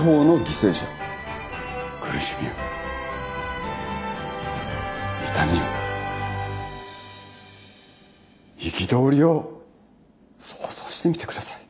苦しみを痛みを憤りを想像してみてください。